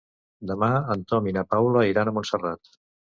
Demà en Tom i na Paula iran a Montserrat.